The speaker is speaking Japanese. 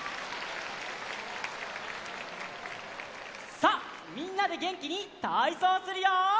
さあみんなでげんきにたいそうするよ！